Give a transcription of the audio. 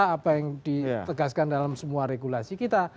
apa yang ditegaskan dalam semua regulasi kita